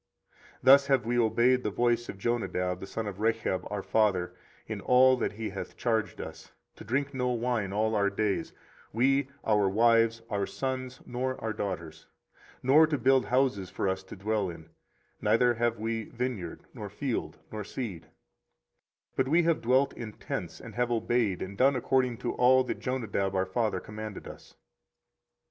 24:035:008 Thus have we obeyed the voice of Jonadab the son of Rechab our father in all that he hath charged us, to drink no wine all our days, we, our wives, our sons, nor our daughters; 24:035:009 Nor to build houses for us to dwell in: neither have we vineyard, nor field, nor seed: 24:035:010 But we have dwelt in tents, and have obeyed, and done according to all that Jonadab our father commanded us.